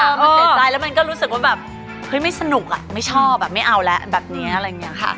มันเสียใจแล้วมันก็รู้สึกว่าแบบเฮ้ยไม่สนุกอ่ะไม่ชอบอ่ะไม่เอาแล้วแบบนี้อะไรอย่างนี้ค่ะ